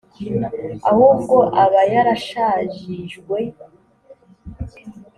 ahubwo aba yarashajijwe